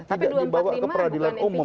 agak dibawa ke peradilan umum